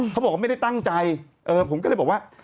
เขาบอกว่าไม่ได้ตั้งใจผมก็เลยบอกว่า